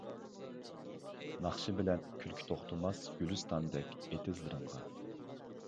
ناخشا بىلەن كۈلكە توختىماس گۈلىستاندەك ئېتىزلىرىڭغا.